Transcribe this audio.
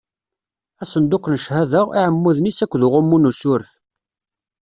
Asenduq n cchada, iɛmuden-is akked uɣummu n usuref.